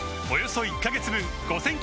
およそ１カ月分